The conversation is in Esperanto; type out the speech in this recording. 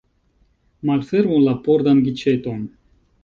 Malfermu la pordan giĉeton.